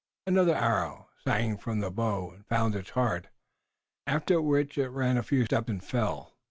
Another arrow sang from the bow and found its heart, after which it ran a few steps and fell.